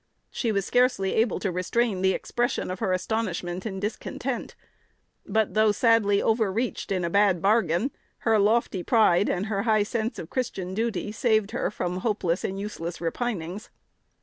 She was scarcely able to restrain the expression of her astonishment and discontent; but, though sadly overreached in a bad bargain, her lofty pride and her high sense of Christian duty saved her from hopeless and useless repinings.